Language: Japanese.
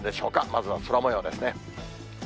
まずは空もようですね。